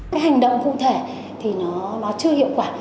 cái hành động cụ thể thì nó chưa hiệu quả